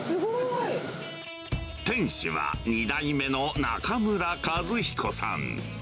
店主は、２代目の中村一彦さん。